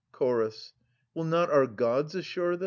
Chorus. Will not our Gods assure this